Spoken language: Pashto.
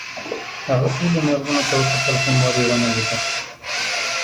هغه ټولو مېرمنو ته وکتل خو مور یې ونه لیده